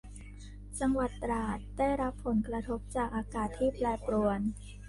จังหวัดตราดได้รับผลกระทบจากอากาศที่แปรปรวน